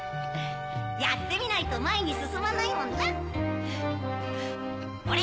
やってみないとまえにすすまないもんおれ